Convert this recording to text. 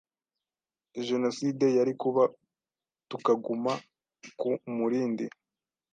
Jenoside yari kuba tukaguma ku Mulindi,